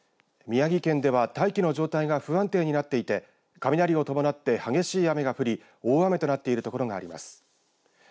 宮城県では大気の状態が不安定になっていて雷を伴って激しい雨が降り大雨となっている所があります。